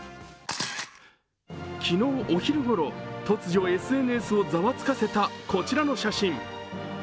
昨日お昼ごろ、突如ＳＮＳをザワつかせたこちらの写真。